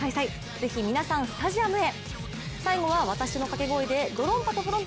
是非、皆さん、スタジアムへ！